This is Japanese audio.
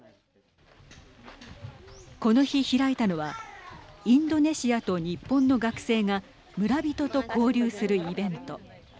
この日、開いたのはインドネシアと日本の学生が村人と交流するイベント。